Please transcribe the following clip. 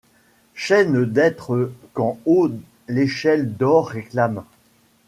Chaîne d’êtres qu’en haut l’échelle d’or réclame